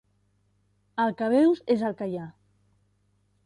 El que veus és el que hi ha.